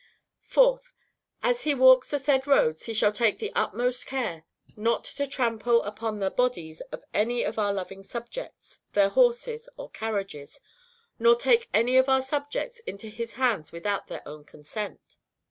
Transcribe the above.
4th. As he walks the said roads he shall take the utmost care riot to trample upon the bodies of any of our loving subjects, their horses, or carriages, nor take any of our subjects into his hands without their own consent.